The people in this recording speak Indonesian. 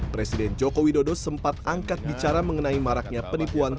presiden joko widodo sempat angkat bicara mengenai maraknya penipuan